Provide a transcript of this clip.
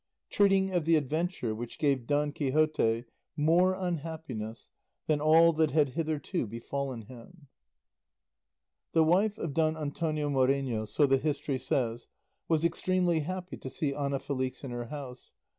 TREATING OF THE ADVENTURE WHICH GAVE DON QUIXOTE MORE UNHAPPINESS THAN ALL THAT HAD HITHERTO BEFALLEN HIM The wife of Don Antonio Moreno, so the history says, was extremely happy to see Ana Felix in her house.